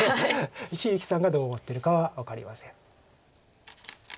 一力さんがどう思ってるかは分かりません。